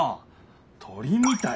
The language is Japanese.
鳥みたい。